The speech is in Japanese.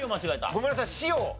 ごめんなさい「し」を。